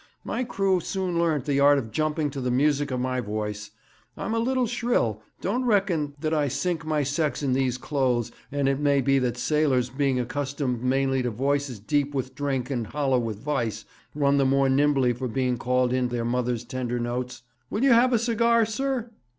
My crew soon learnt the art of jumping to the music of my voice. I'm a little shrill don't reckon that I sink my sex in these clothes and it may be that sailors, being accustomed mainly to voices deep with drink and hollow with vice, run the more nimbly for being called to in their mother's tender notes. Will you have a cigar, sir?'